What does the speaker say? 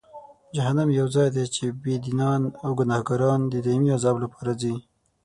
جهنم یو ځای دی چې بېدینان او ګناهکاران د دایمي عذاب لپاره ځي.